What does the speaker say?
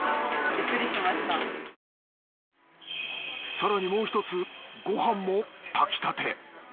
更にもう１つご飯も炊きたて。